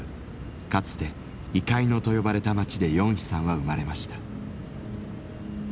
かつて猪飼野と呼ばれた町でヨンヒさんは生まれました。